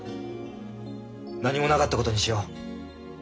何もなかったことにしよう。